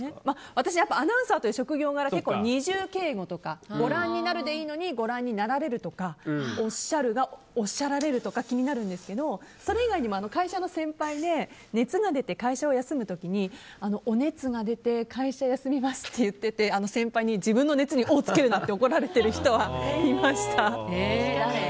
私はアナウンサーっていう職業柄結構、二重敬語とかご覧になるでいいのにご覧になられるとかおっしゃるがおっしゃられるは気になるんですけどそれ以外にも会社の先輩で熱が出て会社を休む時に、お熱が出て会社を休みますっていってて先輩に自分の熱におをつけるなと怒られてる人はいました。